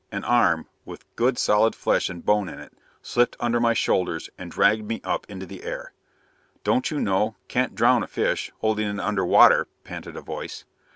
An arm with good, solid flesh and bone in it slipped under my shoulders and dragged me up into the air. "Don't you know can't drown a fish holding it under water?" panted a voice.